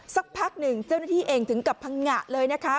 สักพักหนึ่งเจ้าหน้าที่เองถึงกับพังงะเลยนะคะ